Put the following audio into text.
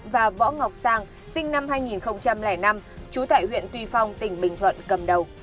và võ ngọc sang sinh năm hai nghìn năm trú tại huyện tuy phong tỉnh bình thuận cầm đầu